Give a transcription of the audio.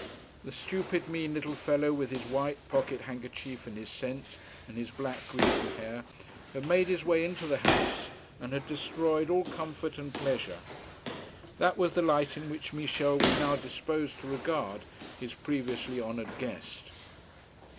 The stupid mean little fellow, with his white pocket handkerchief, and his scent, and his black greasy hair, had made his way into the house and had destroyed all comfort and pleasure! That was the light in which Michel was now disposed to regard his previously honoured guest.